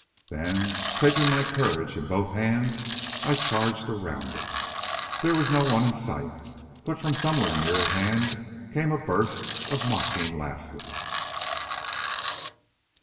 Then, taking my courage in both hands, I charged around it. There was no one in sight; but from somewhere near at hand came a burst of mocking laughter.